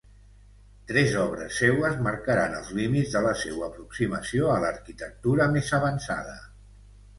Tres obres seues marcaran els límits de la seua aproximació a l'arquitectura més avançada.